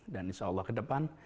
dan insya allah ke depan